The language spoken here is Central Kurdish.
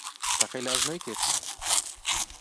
تەقەی لە ئەژنۆی کرد.